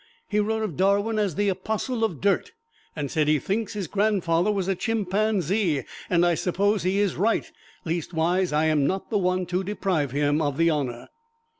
He wrote of Darwin as "the apostle of dirt," and said, "He thinks his grandfather was a chimpanzee, and I suppose he is right leastwise, I am not the one to deprive him of the honor."